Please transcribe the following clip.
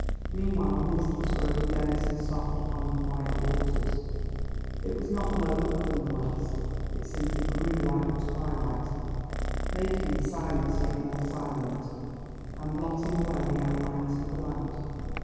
Meanwhile a mist was growing dense and soft upon the quiet waters. It was not blown up from the west, it simply grew like the twilight, making the silence yet more silent and blotting away the outlines of the land.